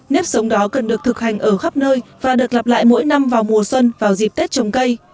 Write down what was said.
nếp sống đó cần được thực hành ở khắp nơi và được lặp lại mỗi năm vào mùa xuân vào dịp tết trồng cây